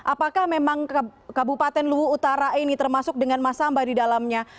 apakah memang kabupaten luwu utara ini termasuk dengan mas samba di dalamnya